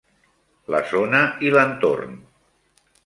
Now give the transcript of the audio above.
La zona i l'entorn.